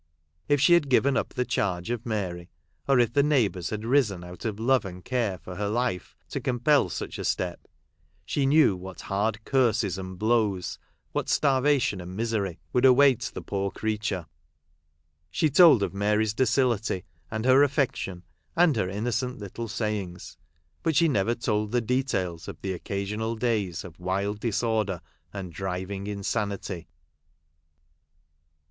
If she had given up the charge of Mary, or if the neighbours had risen out of love and care for her life, to compel such a step, she knew what hard curses and blows — what starvation and misery, would await the poor creature. She told of Mary's docility, and her affec tion, and her innocent little sayings ; but she never told the details of the occasional days of wild disorder, and driving insanity.